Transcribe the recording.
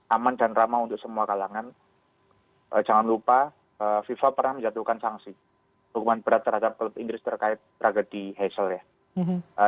aman dan ramah untuk semua kalangan jangan lupa fifa pernah menjatuhkan sanksi hukuman berat terhadap klub inggris terkait tragedi hazel ya